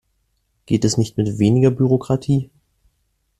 Geht es nicht mit weniger Bürokratie?